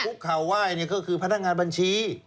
ข่าวไหว้ก็คือพนักงานบัญชี